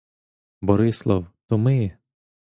Борислав — то ми!